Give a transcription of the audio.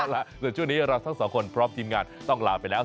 เอาล่ะส่วนช่วงนี้เราทั้งสองคนพร้อมทีมงานต้องลาไปแล้ว